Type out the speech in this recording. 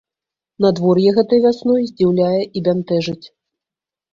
Надвор'е гэтай вясной здзіўляе і бянтэжыць.